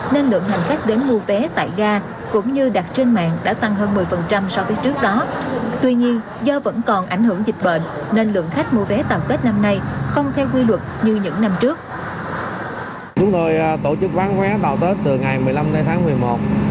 nâng lượng hành khách đến mua vé tại gà cũng như đặt trên mạng đã tăng hơn một mươi so với trước đó